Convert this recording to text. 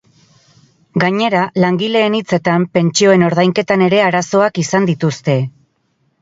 Gainera, langileen hitzetan, pentsioen ordainketan ere arazoak izan dituzte.